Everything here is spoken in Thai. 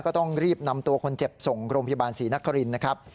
ก็ต้องรีบนำตัวคนเจ็บส่งโรงพยาบาลศรีนครินนะครับ